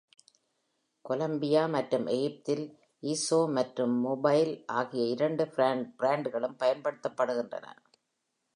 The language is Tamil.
கொலம்பியா மற்றும் எகிப்தில், Esso மற்றும் Mobil ஆகிய இரண்டு பிராண்டுகளும் பயன்படுத்தப்படுகின்றன.